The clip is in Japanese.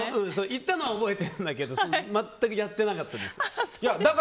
言ったのは覚えてたけど全くやってなかった。